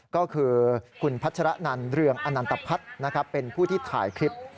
ก็คือคุณพัชรนันเรืองอนันตพัฒน์เป็นผู้ที่ถ่ายคลิป